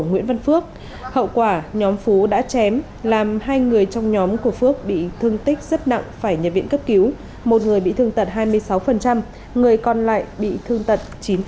nguyễn văn phước hậu quả nhóm phú đã chém làm hai người trong nhóm của phước bị thương tích rất nặng phải nhập viện cấp cứu một người bị thương tật hai mươi sáu người còn lại bị thương tật chín